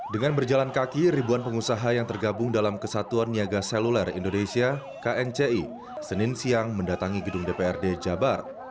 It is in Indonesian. dengan berjalan kaki ribuan pengusaha yang tergabung dalam kesatuan niaga seluler indonesia knci senin siang mendatangi gedung dprd jabar